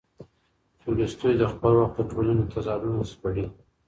تولستوی د خپل وخت د ټولنې تضادونه سپړي.